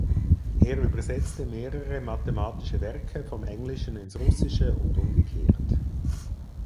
Er übersetzte mehrere mathematische Werke vom Englischen ins Russische und umgekehrt.